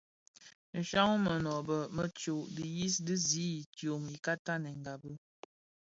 Nshya mënöbö më tsô dhiyis di zi idyom ika tanèngabi.